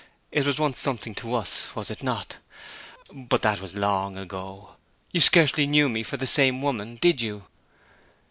It was once something to us, was it not? but that was long ago. You scarcely knew me for the same woman, did you?'